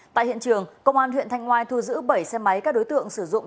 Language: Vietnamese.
tại hiện trường công an huyện thanh ngoài thu giữ bảy xe máy các đối tượng sử dụng